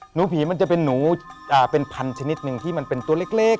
หนูผีมันจะเป็นหนูเป็นพันชนิดหนึ่งที่มันเป็นตัวเล็ก